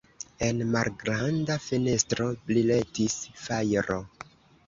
En malgranda fenestro briletis fajro.